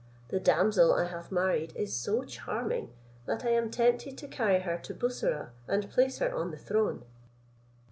The damsel I have married is so charming, that I am tempted to carry her to Bussorah, and place her on the throne."